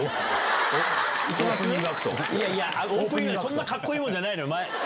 そんなカッコいいもんじゃないのよ！